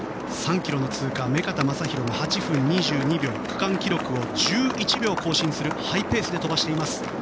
目片将大は８分２２秒区間記録を１１秒更新するハイペースで飛ばしています。